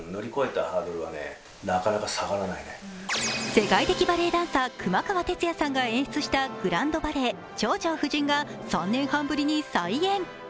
世界的バレエダンサー熊川哲也さんが演出したグランド・バレエ「蝶々夫人」が３年半ぶりに再演。